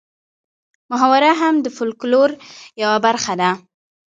محاوره هم د فولکلور یوه برخه ده